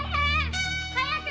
早く！